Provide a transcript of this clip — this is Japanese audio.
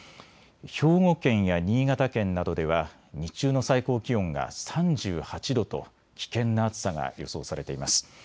兵庫県や新潟県などでは日中の最高気温が３８度と危険な暑さが予想されています。